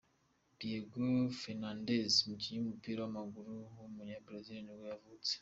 Diogo Fernandes, umukinnyi w’umupira w’amaguru w’umunya-Brazil nibwo yavutse.